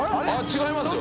△違いますよ。